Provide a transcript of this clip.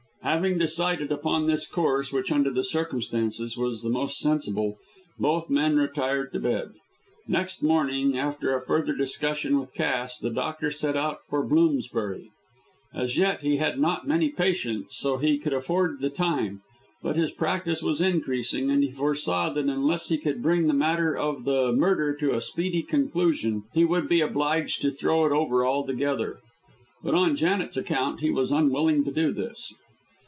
Having decided upon this course, which, under the circumstances, was the most sensible, both men retired to bed. Next morning, after a further discussion with Cass, the doctor set out for Bloomsbury. As yet he had not many patients, so he could afford the time, but his practice was increasing, and he foresaw that unless he could bring the matter of the murder to a speedy conclusion, he would be obliged to throw it over altogether. But on Janet's account he was unwilling to do this.